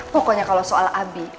pokoknya kalau soal abi